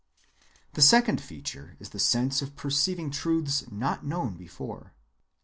The second feature is the sense of perceiving truths not known before.